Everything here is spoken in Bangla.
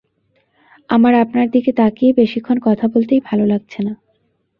আমার আপনার দিকে তাকিয়ে বেশিক্ষণ কথা বলতেই ভালো লাগছে না।